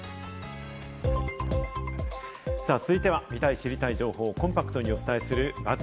続いては見たい知りたい情報をコンパクトにお伝えするＢＵＺＺ